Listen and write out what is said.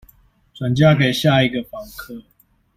轉嫁給下一個房客